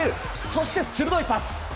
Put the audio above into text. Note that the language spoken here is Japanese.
そして、鋭いパス！